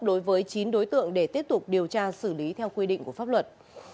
đối với chín đối tượng để tiếp tục điều tra xử lý theo quy định của pháp luật